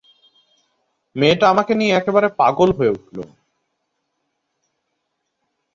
মেয়েটা আমাকে নিয়ে একেবারে পাগল হয়ে উঠল।